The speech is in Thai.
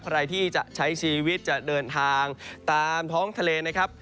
ใครที่จะใช้ชีวิตจะเดินทางตามท้องทะเลนะครับ